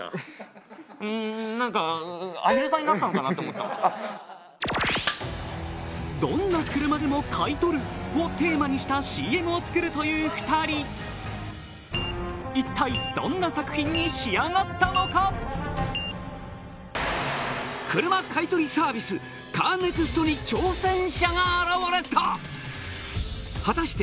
お前うんなんかどんな車でも買取る！をテーマにしたＣＭを作るという２人一体どんな作品に仕上がったのか「車買取サービスカーネクストに挑戦者が現れた！」